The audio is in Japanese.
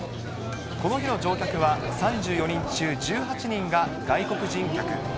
この日の乗客は３４人中１８人が外国人客。